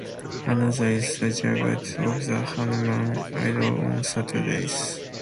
Another is the 'Jagrut' of the Hanuman Idol on Saturdays.